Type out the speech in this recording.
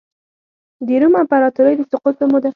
د روم امپراتورۍ د سقوط په موده کې.